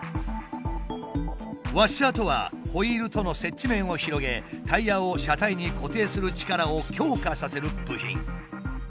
「ワッシャー」とはホイールとの接地面を広げタイヤを車体に固定する力を強化させる部品。